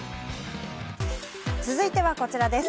続いてはこちらです。